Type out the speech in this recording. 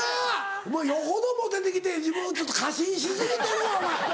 お前よほどモテてきて自分をちょっと過信し過ぎてるわお前。